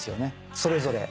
それぞれ。